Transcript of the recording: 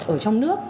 ở trong nước